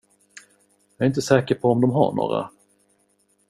Jag är inte säker på om de har några.